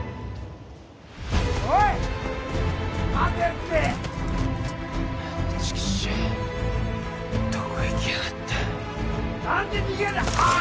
おいっ待てってチキショーどこ行きやがった何で逃げんだあっ！